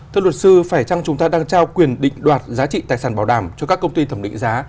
thưa luật sư phải chăng chúng ta đang trao quyền định đoạt giá trị tài sản bảo đảm cho các công ty thẩm định giá